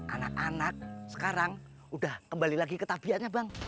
anak anak sekarang udah kembali lagi ke tabiannya bang